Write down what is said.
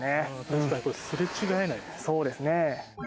確かに、これすれ違えないですね。